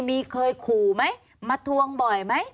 มีเคยขู่ไหมมาทวงบ่อยไหม